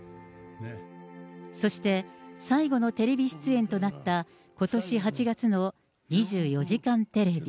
そして最後のテレビ出演となったことし８月の２４時間テレビ。